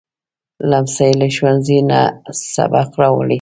لمسی له ښوونځي نه سبق راوړي.